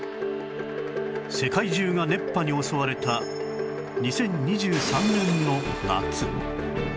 世界中が熱波に襲われた２０２３年の夏